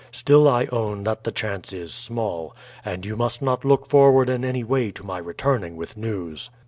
Still I own that the chance is small, and you must not look forward in any way to my returning with news."